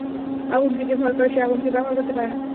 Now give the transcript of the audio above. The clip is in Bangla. আগুনকে যে ভয় করে সে আগুনকে ব্যবহার করতে পারে না।